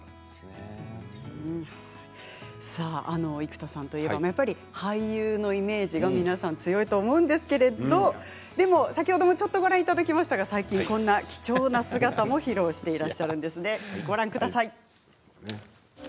生田さんといえば俳優のイメージが皆さん強いと思うんですけれど先ほどもちょっとご覧いただきましたが最近こんな貴重な姿も披露していらっしゃるんです。